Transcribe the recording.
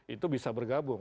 itu bisa bergabung